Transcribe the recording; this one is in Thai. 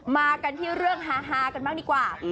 มากันที่เรื่องฮากันบ้างดีกว่า